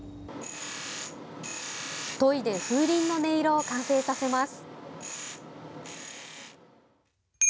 研いで風鈴の音色を完成させます。